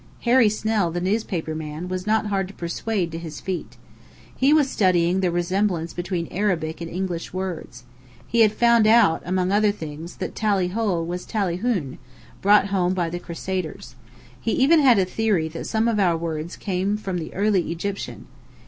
Harry Snell, the newspaper man, was not hard to persuade to his feet. He was studying the resemblance between Arabic and English words. He had found out, among other things, that Tallyho was "Tallyhoon," brought home by the Crusaders. He even had a theory that some of our words came from the early Egyptian.